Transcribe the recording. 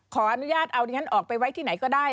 ขออนุญาตเอาดิฉันออกไปไว้ที่ไหนก็ได้